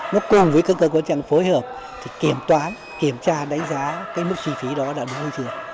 nó cùng với các cơ quan phối hợp thì kiểm toán kiểm tra đánh giá cái mức chi phí đó đã đúng hay chưa